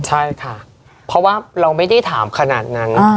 ใช่ค่ะเพราะว่าเราไม่ได้ถามขนาดนั้น